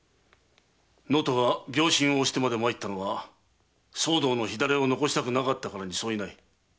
能登が病身をおしてまで参ったのは騒動の火種を残したくなかったからに相違ない。